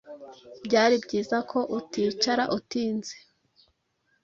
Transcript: Byari byiza ko uticara utinze